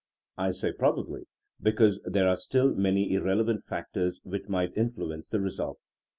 I say probably^' because there are still many irrelevant factors which might influence the result.